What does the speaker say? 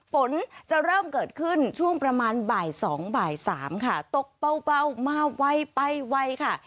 ฝนจะเริ่มเกิดขึ้นช่วงประมาณบ่าย๒บ่าย๓ค่ะตกเบามาไวไปไวค่ะ